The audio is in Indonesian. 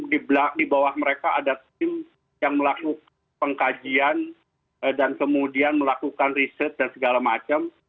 di bawah mereka ada tim yang melakukan pengkajian dan kemudian melakukan riset dan segala macam